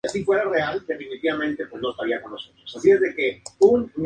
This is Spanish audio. Su último proyecto es la película "Surf School".